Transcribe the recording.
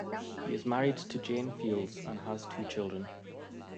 He is married to Jane Fields and has two children.